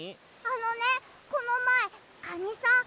あのねこのまえカニさん